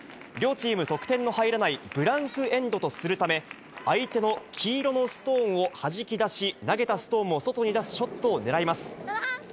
両チーム、得点の入らないブランクエンドとするため、相手の黄色のストーンをはじき出し、投げたストーンも外に出すショットをねらいます。